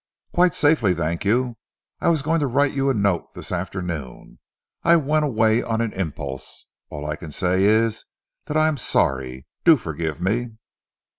"Quite safely, thank you. I was going to write you a note this afternoon. I went away on an impulse. All I can say is that I am sorry. Do forgive me."